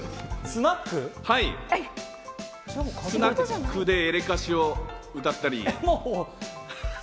スナックでエレカシを歌ったり。